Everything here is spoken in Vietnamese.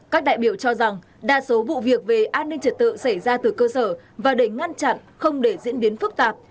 các đại biểu cho rằng đa số vụ việc về an ninh trật tự xảy ra từ cơ sở và để ngăn chặn không để diễn biến phức tạp